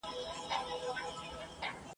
کشر ورور ویل چي زه جوړوم خونه !.